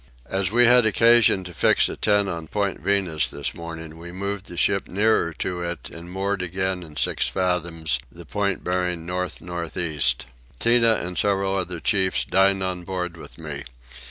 As we had occasion to fix a tent on Point Venus this morning we moved the ship nearer to it and moored again in six fathoms, the point bearing north north east. Tinah and several other chiefs dined on board with me.